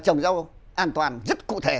trồng rau an toàn rất cụ thể